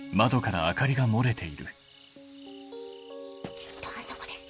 きっとあそこです